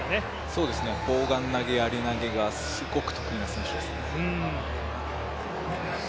そうですね、砲丸投、やり投がすごく得意な選手ですね。